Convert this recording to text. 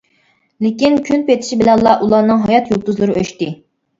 لېكىن، كۈن پېتىشى بىلەنلا ئۇلارنىڭ ھايات يۇلتۇزلىرى ئۆچتى.